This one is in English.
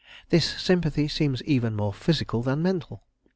This sympathy seems even more physical than mental.